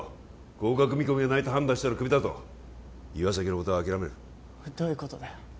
合格見込みがないと判断したらクビだと岩崎のことは諦めるどういうことだよ